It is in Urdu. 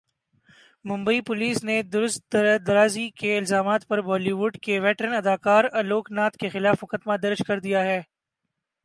ممبئی پولیس نے درست درازی کے الزامات پر بالی وڈ کے ویٹرن اداکار الوک ناتھ کے خلاف مقدمہ خارج کردیا ہے